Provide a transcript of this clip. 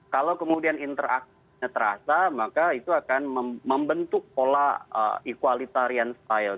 kalau kemudian interaksinya terasa maka itu akan membentuk pola equalitarian style